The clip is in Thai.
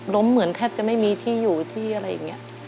เหมือนแทบจะไม่มีที่อยู่ที่อะไรอย่างนี้